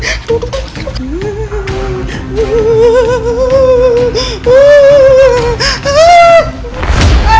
dia datang dia datang